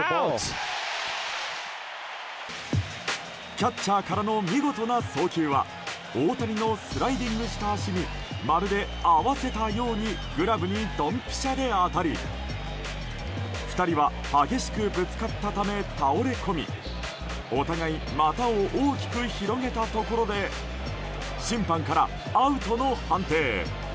キャッチャーからの見事な送球は大谷のスライディングした足にまるで合わせたようにグラブにドンピシャで当たり２人は激しくぶつかったため倒れ込みお互い、股を大きく広げたところで審判からアウトの判定。